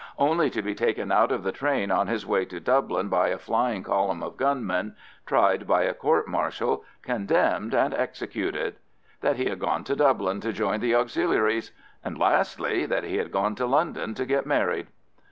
only to be taken out of the train on his way to Dublin by a flying column of gunmen, tried by a court martial, condemned, and executed; that he had gone to Dublin to join the Auxiliaries; and lastly, that he had gone to London to get married.